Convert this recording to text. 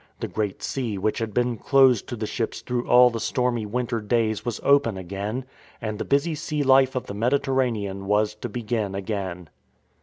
The Great Sea which had been closed to the ships through all the stormy winter days was open again, and the busy sea life of the Mediterranean was to begin again.